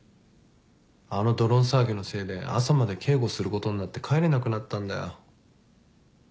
あのドローン騒ぎのせいで朝まで警護することになって帰れなくなったんだよ。